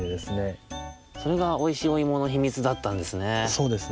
それがおいしいおいものひみつだったんですね。